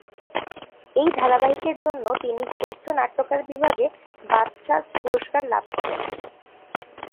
এই ধারাবাহিকের জন্য তিনি শ্রেষ্ঠ নাট্যকার বিভাগে বাচসাস পুরস্কার লাভ করেন।